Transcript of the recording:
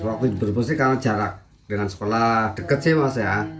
waktu di berbes itu karena jarak dengan sekolah dekat sih mas ya